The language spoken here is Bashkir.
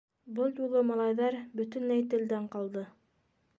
Был юлы малайҙар бөтөнләй телдән ҡалды.